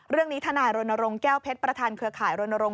เรื่องนี้ธนารณรงค์แก้วเพชรประธานเครือข่ายรณรงค์